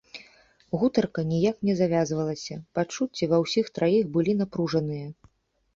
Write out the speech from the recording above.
Гутарка ніяк не завязвалася, пачуцці ва ўсіх траіх былі напружаныя.